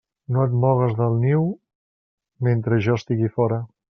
No et mogues del niu mentre jo estiga fora.